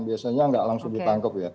biasanya enggak langsung ditangkep ya